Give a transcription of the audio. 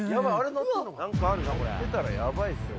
乗ってたらヤバいっすよ